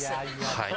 はい。